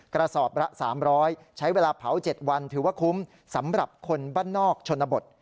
กระสอบละ๓๐๐ใช้เวลาเผา๗วันถือว่าคุ้มสำหรับคนบ้านนอกชนบท